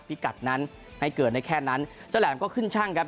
พิกัดนั้นให้เกิดได้แค่นั้นเจ้าแหลมก็ขึ้นช่างครับ